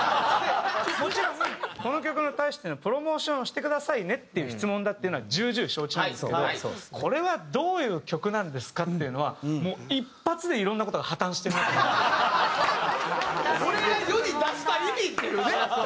もちろん「この曲に対してのプロモーションをしてくださいね」っていう質問だっていうのは重々承知なんですけど「これはどういう曲なんですか？」っていうのは「俺が世に出した意味！」っていうね。